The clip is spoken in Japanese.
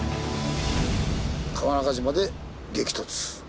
川中島で激突。